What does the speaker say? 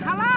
oh ini dia